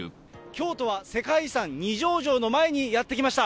京都は世界遺産二条城の前にやって来ました。